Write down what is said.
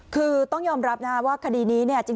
คือต้องยอมรับนะว่าคดีนี้เนี่ย